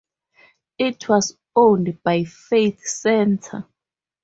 It was owned by Faith Center.